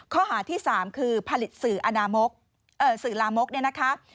ข้อหาที่๓คือผลิตสื่อลามมก